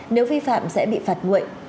nếu vi phạm sẽ bị phạt nguội